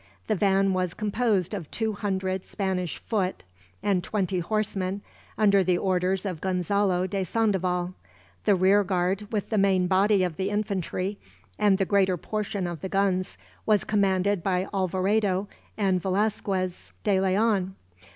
The van was composed of two hundred Spanish foot, and twenty horsemen, under the orders of Gonzalo de Sandoval. The rearguard, with the main body of the infantry and the greater portion of the guns, was commanded by Alvarado and Velasquez de Leon.